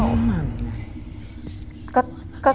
อ๋ออืม